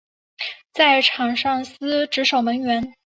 在场上司职守门员。